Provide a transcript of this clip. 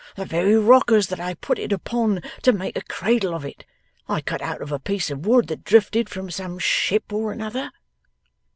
The very rockers that I put it upon to make a cradle of it, I cut out of a piece of wood that drifted from some ship or another.